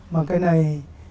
mà cái này